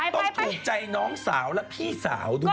ต้องถูกใจน้องสาวและพี่สาวด้วย